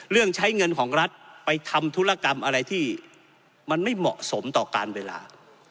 ใช้เงินของรัฐไปทำธุรกรรมอะไรที่มันไม่เหมาะสมต่อการเวลา